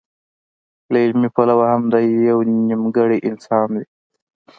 له عملي پلوه هم دی يو نيمګړی انسان وي.